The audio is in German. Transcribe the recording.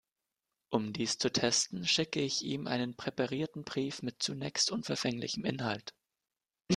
Um dies zu testen, schickte ich ihm einen präparierten Brief mit zunächst unverfänglichem Inhalt.